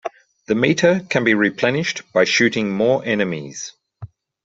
The meter can be replenished by shooting more enemies.